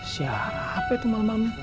siapa itu malam malam